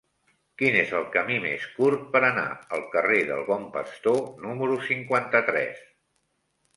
Quin és el camí més curt per anar al carrer del Bon Pastor número cinquanta-tres?